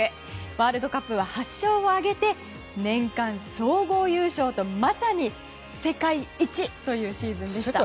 ワールドカップは８勝を挙げて年間総合優勝とまさに世界一というシーズンでした。